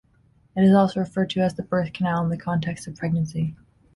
It is also referred to as the birth canal in the context of pregnancy.